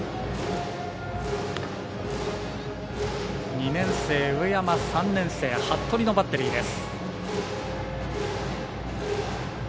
２年生、上山３年生、服部のバッテリーです。